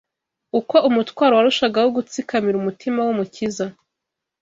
uko umutwaro warushagaho gutsikamira umutima w’Umukiza